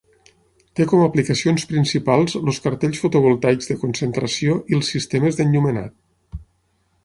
Té com aplicacions principals els cartells fotovoltaics de concentració i els sistemes d'enllumenat.